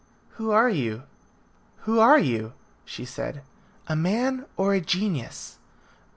"Who are you? Who are you?" she said. "A man or a genius?"